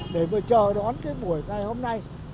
để mà chờ đón cái buổi ngày hôm nay